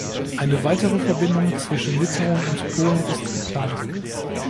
Eine weitere Verbindung zwischen Litauen und Polen ist geplant.